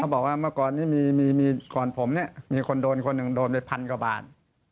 เขาบอกว่าเมื่อก่อนก่อนผมมีคนโดนคนหนึ่งโดนไปพันกว่าบาท